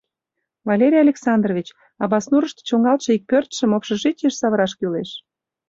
Валерий Александрович, Абаснурышто чоҥалтше ик пӧртшым общежитийыш савыраш кӱлеш.